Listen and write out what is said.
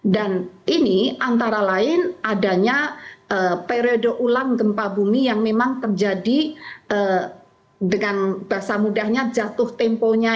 dan ini antara lain adanya periode ulang gempa bumi yang memang terjadi dengan basah mudahnya jatuh temponya